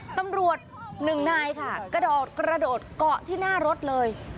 ตำรวจหนึ่งนายค่ะกระโดดกระโดดเกาะที่หน้ารถเลย